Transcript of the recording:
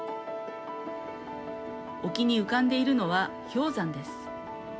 沖に浮かんでいるのは氷山です。